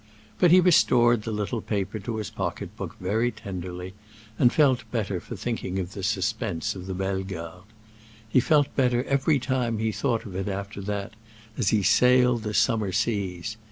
But he restored the little paper to his pocket book very tenderly, and felt better for thinking of the suspense of the Bellegardes. He felt better every time he thought of it after that, as he sailed the summer seas.